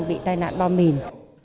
bị tai nạn bom mìn